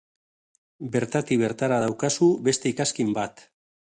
Bertatik bertara daukazu beste ikazkin bat!